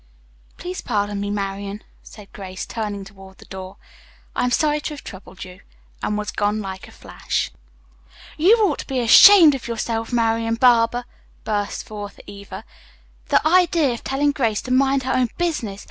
"Please pardon me, Marian," said Grace, turning toward the door. "I am sorry to have troubled you," and was gone like a flash. "You ought to be ashamed of yourself, Marian Barber!" burst forth Eva. "The idea of telling Grace to mind her own business!